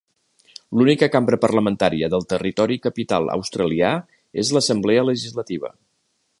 L'única cambra parlamentària del territori capital australià és l'assemblea legislativa.